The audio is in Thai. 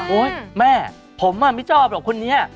โอ้ยแม่ผมอะไม่ชอบเหรอคนนี้